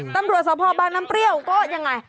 ตำรวจสภบางน้ำเปรี้ยวก็ยังไง